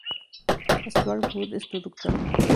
Stuart Wood es productor.